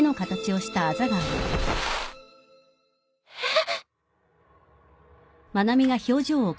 えっ！？